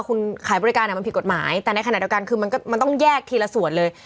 คุณขายบริการมันผิดกฎหมายแต่ในขณะเดียวกันคือมันต้องแยกทีละส่วนเลย